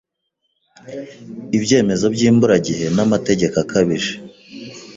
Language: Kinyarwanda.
ibyemezo by’imburagihe n’amategeko akabije